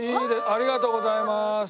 ありがとうございます。